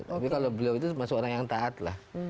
tapi kalau beliau itu masih orang yang taat lah